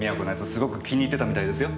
すごく気に入ってたみたいですよ。